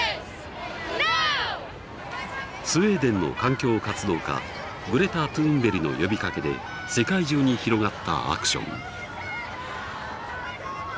スウェーデンの環境活動家グレタ・トゥーンベリの呼びかけで世界中に広がったアクション。